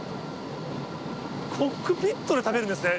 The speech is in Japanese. コックピットで食べるんですね。